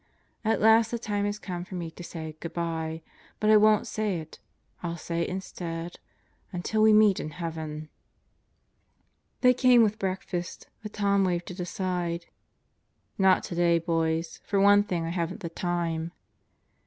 At last the time has come for me to say "Good by." But I won't say it. I'll say instead: "Until we meet in Heaven!" They came with breakfast, but Tom waved it aside. "Not today, boys. For one thing, I haven't the time."